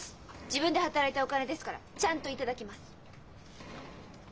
自分で働いたお金ですからちゃんと頂きます。